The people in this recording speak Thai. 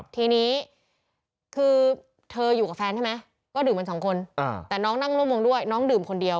ทีนี้คือเธออยู่กับแฟนใช่ไหมก็ดื่มกันสองคนแต่น้องนั่งร่วมวงด้วยน้องดื่มคนเดียว